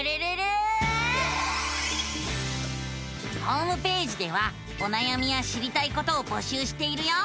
ホームページではおなやみや知りたいことを募集しているよ。